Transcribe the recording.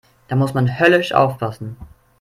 Da muss man höllisch aufpassen.